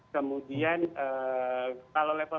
kemudian kalau level satu